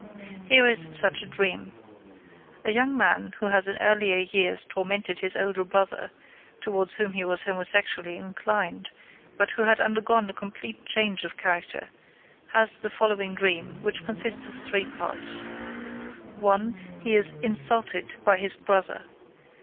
Here is such a dream. A young man, who has in earlier years tormented his elder brother, towards whom he was homosexually inclined, but who had undergone a complete change of character, has the following dream, which consists of three parts: (1) _He is "insulted" by his brother.